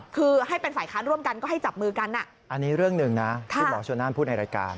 คือให้เป็นฝ่ายค้านร่วมกันก็ให้จับมือกันอันนี้เรื่องหนึ่งนะที่หมอชนนั่นพูดในรายการ